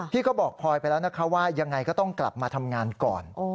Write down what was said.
พี่ก็บอกพลอยไปแล้วนะคะว่ายังไงก็ต้องกลับมาทำงานก่อน